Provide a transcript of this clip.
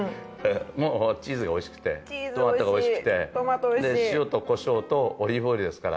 もうチーズがおいしくてトマトがおいしくて塩とコショウとオリーブオイルですから。